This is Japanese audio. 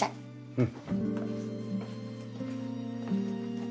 うん。